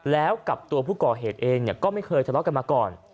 แล้วกับตัวผู้ก่อเหตุเองก็ไม่เคยทะเลาะกันมาก่อน